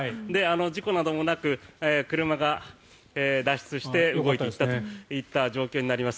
事故などもなく車が脱出して動いていったという状況になります。